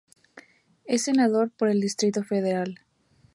Es senador por el Distrito Federal.